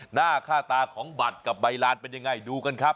หน้าค่าตาของบัตรกับใบลานเป็นยังไงดูกันครับ